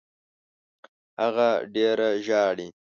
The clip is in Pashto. هغه ډېره ژاړي.